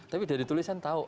tapi dari tulisan tahu